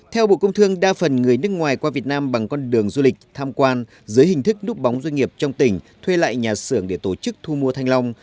theo bộ công thương đa phần người nước ngoài qua việt nam bằng con đường du lịch tham quan dưới hình thức núp bóng doanh nghiệp trong tỉnh thuê lại nhà xưởng để tổ chức thu mua thanh long